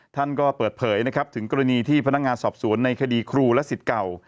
ท่านก็เปิดเผยนะครับถึงกรณีที่พนักงานสอบสวนในคดีครูและสิทธิ์เก่า